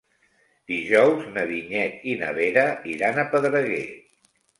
Dijous na Vinyet i na Vera iran a Pedreguer.